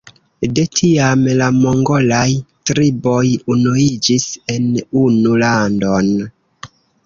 De tiam la mongolaj triboj unuiĝis en unu landon.